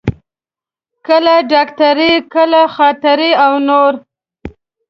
کله ډاکټري، کله خاطرې او نور.